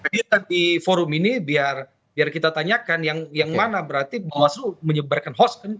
lihat di forum ini biar kita tanyakan yang mana berarti bawaslu menyebarkan host